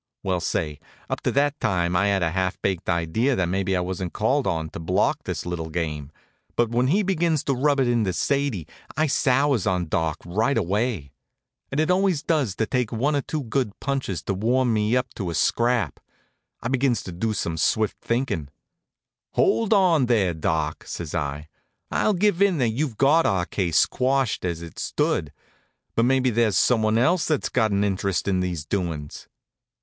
Well, say, up to that time I had a half baked idea that maybe I wasn't called on to block his little game, but when he begins to rub it into Sadie I sours on Doc right away. And it always does take one or two good punches to warm me up to a scrap. I begins to do some swift thinkin'. "Hold on there, Doc," says I. "I'll give in that you've got our case quashed as it stood. But maybe there's someone else that's got an interest in these doin's."